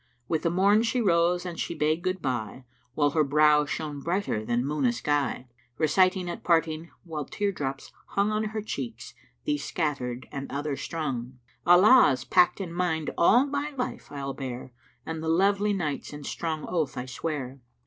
With the morn she rose and she bade Good bye While her brow shone brighter than moon a sky; Reciting at parting (while tear drops hung On her cheeks, these scattered and other strung),[FN#337] 'Allah's pact in mind all my life I'll bear And the lovely nights and strong oath I sware.'"